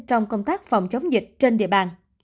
trong công tác phòng chống dịch trên địa bàn